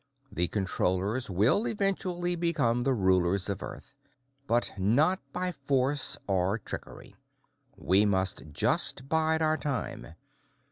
The Controllers will eventually become the rulers of Earth. But not by force or trickery. We must just bide our time.